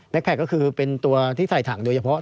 แคคก็คือเป็นตัวที่ใส่ถังโดยเฉพาะ